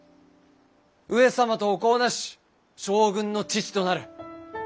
上様とお子をなし将軍の父となる。